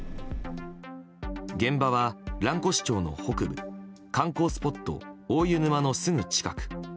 現場は蘭越町の北部観光スポット大湯沼のすぐ近く。